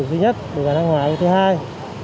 là thứ nhất đối với năng hóa là thứ hai